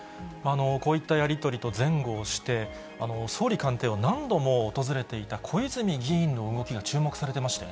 こういったやり取りと前後して、総理官邸を何度も訪れていた小泉議員の動きが注目されてましたよ